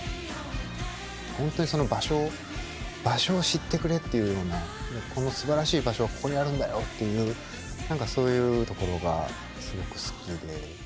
本当にその場所を場所を知ってくれっていうようなこのすばらしい場所はここにあるんだよっていう何かそういうところがすごく好きで。